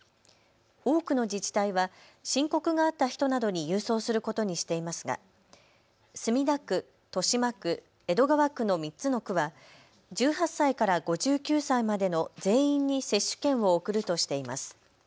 多くの自治体は申告があった人などに郵送することにしていますが墨田区、豊島区、江戸川区の３つの区は１８歳から５９歳までの全員に接種券を送るとしています。